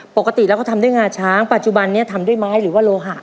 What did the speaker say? ปกติแล้วก็ทำด้วยงาช้างปัจจุบันนี้ทำด้วยไม้หรือว่าโลหะ